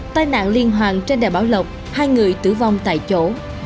tai nạn liên hoàn trên đài báo lộc hai người tử vong tại chỗ